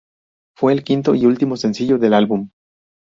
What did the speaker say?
Fue el quinto y último sencillo del álbum.